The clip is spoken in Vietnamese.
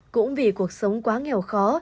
cũng vì cuộc sống quá nghèo khó